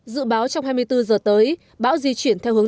dự báo trong hai mươi bốn h tới báo di chuyển theo hướng